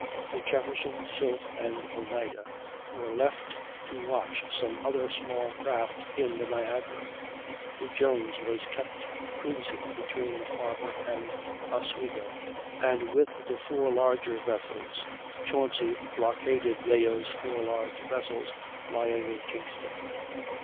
The Jefferson, Sylph, and Oneida were left to watch some other small craft in the Niagara; the Jones was kept cruising between the Harbor and Oswego, and with the four larger vessels Chauncy blockaded Yeo's four large vessels lying in Kingston.